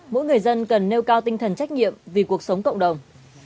mỗi người dân cần nêu cao tinh thần trách nhiệm vì cuộc sống cộng đồng